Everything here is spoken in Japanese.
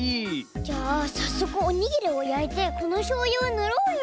じゃあさっそくおにぎりをやいてこのしょうゆをぬろうよ。